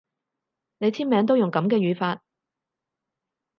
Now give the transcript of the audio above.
你簽名都用噉嘅語法